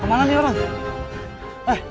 kemana nih orang